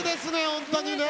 本当にね。